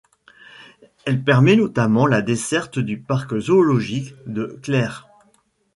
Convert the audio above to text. Elle permet notamment la desserte du Parc zoologique de Clères.